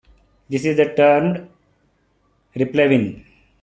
This is termed "replevin".